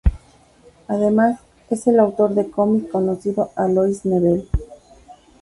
Además, es el autor del cómic conocido "Alois Nebel".